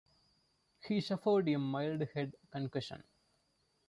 He suffered a mild head concussion.